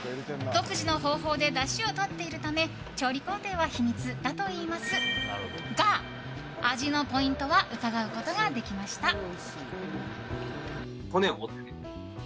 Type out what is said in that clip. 独自の方法でだしをとっているため調理工程は秘密だといいますが味のポイントは伺うことができました。